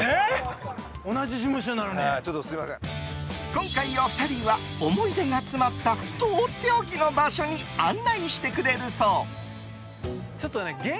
今回のお二人は思い出が詰まったとっておきの場所に案内してくれるそう。